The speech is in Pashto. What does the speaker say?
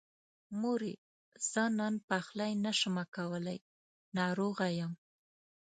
مورې! زه نن پخلی نشمه کولی، ناروغه يم.